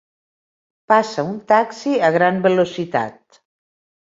Passa un taxi a gran velocitat.